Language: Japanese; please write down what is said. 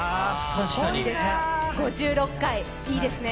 ５６回、いいですね。